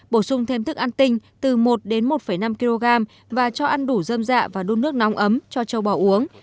bổ sung thêm thức ăn tinh từ một đến một năm kg và cho ăn đủ dơm dạ và đun nước nóng ấm cho châu bò uống